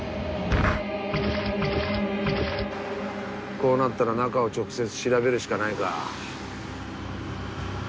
こうなったら中を直接調べるしかないか。